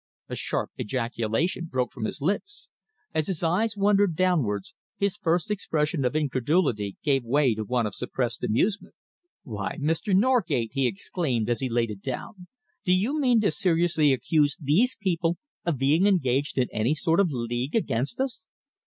A sharp ejaculation broke from his lips. As his eyes wandered downwards, his first expression of incredulity gave way to one of suppressed amusement. "Why, Mr. Norgate," he exclaimed, as he laid it down, "do you mean to seriously accuse these people of being engaged in any sort of league against us?"